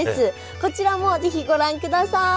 こちらも是非ご覧ください。